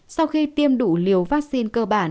sau khi tiêm đủ liều vaccine cơ bản